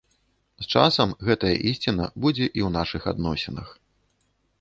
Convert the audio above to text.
З часам гэтая ісціна будзе і ў нашых адносінах.